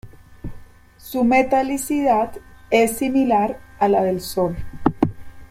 Su metalicidad es similar a la del Sol.